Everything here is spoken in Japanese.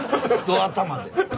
ど頭で。